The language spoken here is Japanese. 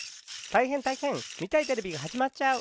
たいへんたいへん！みたいテレビがはじまっちゃう！